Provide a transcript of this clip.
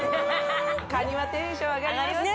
・カニはテンション上がりますよねね